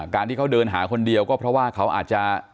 การที่เขาเดินหาคนเดียวก็เพราะว่าเขาอาจจะ